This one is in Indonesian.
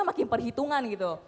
makin perhitungan gitu